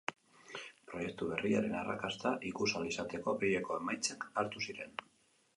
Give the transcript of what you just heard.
Proiektu berriaren arrakasta ikus ahal izateko apirileko emaitzak hartu ziren.